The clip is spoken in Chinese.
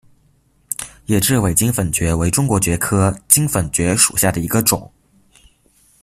野雉尾金粉蕨为中国蕨科金粉蕨属下的一个种。